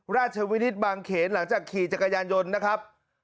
ราชวินิตบางเขนหลังจากขี่จักรยานยนต์นะครับ